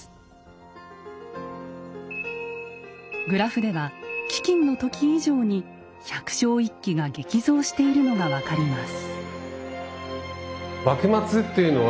グラフでは飢きんの時以上に百姓一揆が激増しているのが分かります。